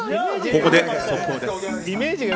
ここで速報です。